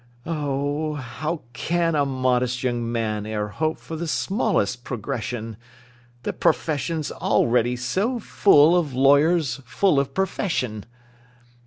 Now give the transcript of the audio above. "O, how can a modest young man E'er hope for the smallest progression,— The profession's already so full Of lawyers so full of profession!"